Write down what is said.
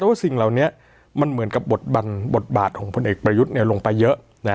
ว่าสิ่งเหล่านี้มันเหมือนกับบทบาทของพลเอกประยุทธ์ลงไปเยอะ